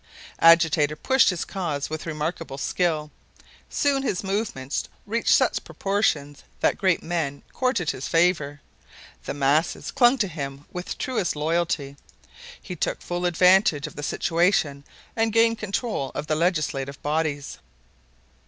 Agitator pushed his cause with remarkable skill. Soon his movements reached such proportions that great men courted his favor. The masses clung to him with truest loyalty. He took full advantage of the situation and gained control of the legislative bodies.